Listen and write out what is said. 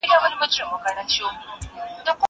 زه مخکي منډه وهلې وه!!